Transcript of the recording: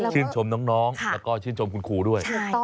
ชื่นชมน้องแล้วก็ชื่นชมคุณครูด้วย